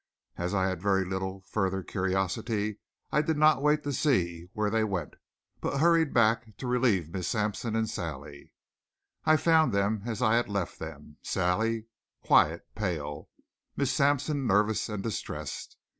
As I had very little further curiosity I did not wait to see where they went, but hurried back to relieve Miss Sampson and Sally. I found them as I had left them Sally quiet, pale, Miss Sampson nervous and distressed.